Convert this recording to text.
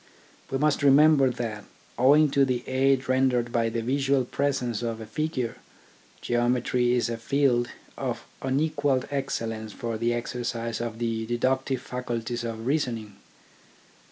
We must remember that, owing to the aid rendered by the visual presence of a figure, Geometry is a field of unequalled excellence for the exercise of the deductive faculties of reason ing.